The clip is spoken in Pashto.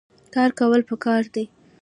کار کول پکار دي